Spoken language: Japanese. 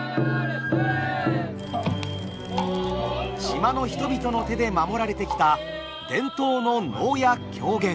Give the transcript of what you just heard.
島の人々の手で守られてきた伝統の能や狂言。